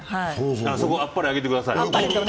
ああ、そこ、あっぱれあげてくださいよ。